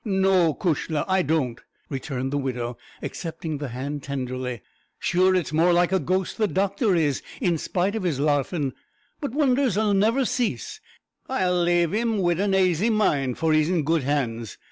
"No, cushla! I don't," returned the widow, accepting the hand tenderly. "Sure it's more like a ghost the doctor is, in spite of his larfin'. But wonders 'll niver cease. I'll lave 'im wid an aisy mind, for he's in good hands.